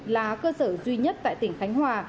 là cơ sở duy nhất tại tỉnh khánh hòa